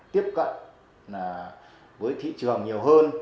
tiếp cận với thị trường nhiều hơn